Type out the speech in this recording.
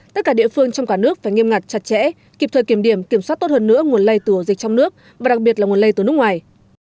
tất cả địa phương trong cả nước phải nghiêm ngặt chặt chẽ kịp thời kiểm điểm kiểm soát tốt hơn nữa nguồn lây từ ổ dịch trong nước và đặc biệt là nguồn lây từ nước ngoài